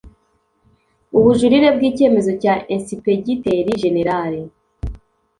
ubujurire bw icyemezo cya ensipegiteri jenerali